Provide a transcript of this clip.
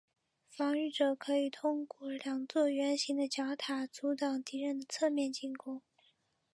防御者可以通过两座圆形的角塔阻挡敌人的侧面进攻。